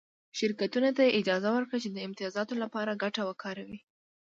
شرکتونو ته یې اجازه ورکړه چې د امتیازاتو لپاره ګټه وکاروي